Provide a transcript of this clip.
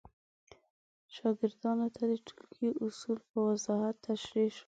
شاګردانو ته د ټولګي اصول په وضاحت تشریح شول.